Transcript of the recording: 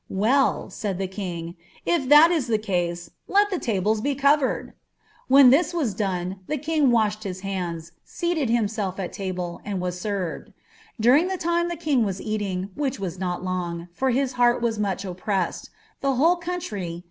Well," said the tai{> >• if that is the com, let the tables be covered." When thia vw toct the king washed his hands, seated hiuiself at table, and wn tniA During the time the king was eating, whidi was not long, (ot hi* hnt was much oppressed, the whole couoliy.